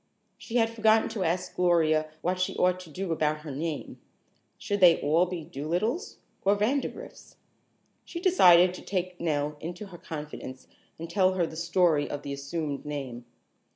She had forgotten to ask Gloria what she ought to do about her name. Should they all be Dolittles or Vandergrifts? She decided to take Nell into her confidence and tell her the story of the assumed name.